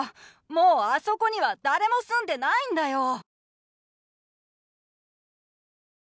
もうあそこには誰も住んでないんだよ！